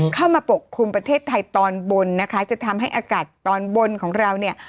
ปกคลุมประเทศไทยตอนบนนะคะจะทำให้อากาศตอนบนของเราเนี่ย